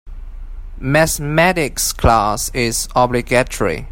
Mathematics class is obligatory.